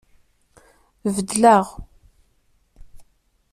Beddleɣ.